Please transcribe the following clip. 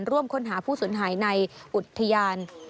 ร่วมค้นหาผู้สูญหายในอุทยาน